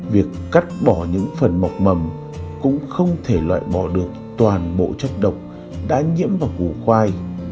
việc cắt bỏ những phần mọc mầm cũng không thể loại bỏ được toàn bộ chất độc đã nhiễm vào củ khoai